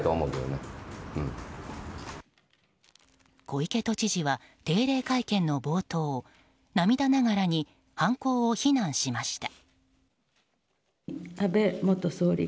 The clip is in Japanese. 小池都知事は定例会見の冒頭涙ながらに犯行を非難しました。